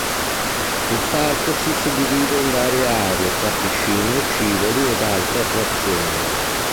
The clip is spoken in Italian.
Il parco si suddivide in varie aree tra piscine, scivoli ed altre attrazioni.